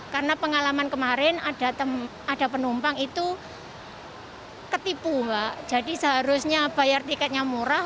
karena pengalaman kemarin ada temen ada penumpang itu ketipu jadi seharusnya bayar tiketnya murah